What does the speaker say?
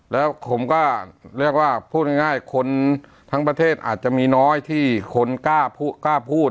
แล้วผมก็เรียกว่าพูดง่ายคนทั้งประเทศอาจจะมีน้อยที่คนกล้าพูด